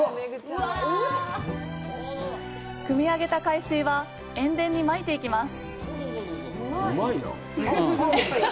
くみ上げた海水は塩田にまいていきます。